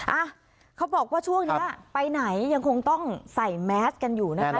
อ่ะเขาบอกว่าช่วงนี้ไปไหนยังคงต้องใส่แมสกันอยู่นะคะ